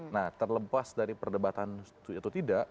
nah terlepas dari perdebatan atau tidak